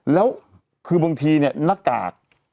แล้วคือบางทีนี่นักกาก